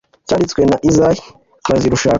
cyanditswe na isaïe bazirushaka